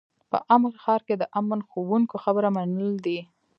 په امن ښار کې د امن خوښوونکو خبره منل دي.